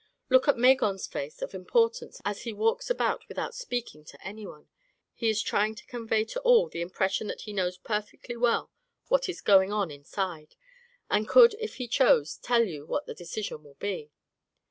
"Look at Magon's face of importance as he walks about without speaking to anyone. He is trying to convey to all the impression that he knows perfectly well what is going on inside, and could if he chose tell you what the decision will be.